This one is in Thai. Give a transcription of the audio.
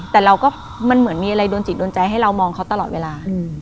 แต่เราก็มันเหมือนมีอะไรโดนจิตโดนใจให้เรามองเขาตลอดเวลา